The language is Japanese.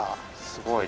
すごい。